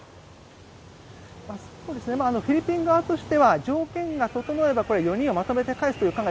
フィリピン側としては条件が整えば４人はまとめて帰すという考え